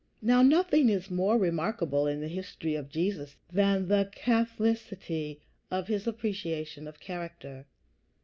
Now, nothing is more remarkable in the history of Jesus than the catholicity of his appreciation of character.